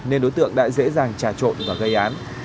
nên đối tượng đã dễ dàng trả trộn và gây án